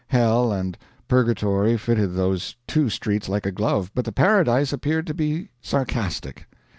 "Hell" and "Purgatory" fitted those two streets like a glove, but the "Paradise" appeared to be sarcastic.